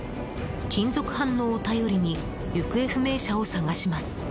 金属反応を頼りに行方不明者を捜します。